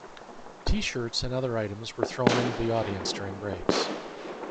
T-shirts and other items were thrown into the audience during breaks.